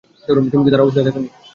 তুমি কি তার অবস্থা দেখনি?